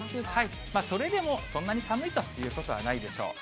それでもそんなに寒いということはないでしょう。